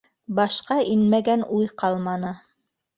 Башҡа инмәгән уй ҡалманы.